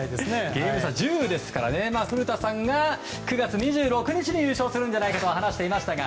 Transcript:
ゲーム差１０ですから古田さんが９月２６日に優勝するんじゃないかと話していましたが。